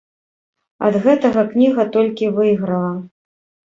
Ад гэтага кніга толькі выйграла.